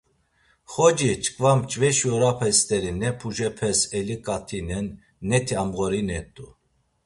Xoci, çkva mcveşi orape steri ne pucepes elaǩatinen neti amğorinet̆u.